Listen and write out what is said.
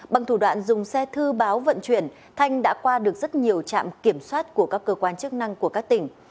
bằng thủ đoạn dùng xe thư báo vận chuyển thanh đã qua được rất nhiều trạm kiểm soát của các cơ quan chức năng của các tỉnh